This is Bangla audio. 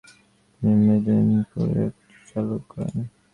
তিনি মেদেনীপুরে একটি স্কুল চালু করেন।